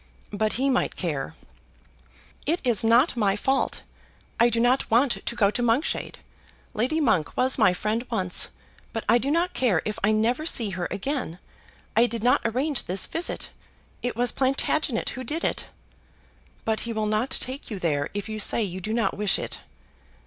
"But he might care." "It is not my fault. I do not want to go to Monkshade. Lady Monk was my friend once, but I do not care if I never see her again. I did not arrange this visit. It was Plantagenet who did it." "But he will not take you there if you say you do not wish it."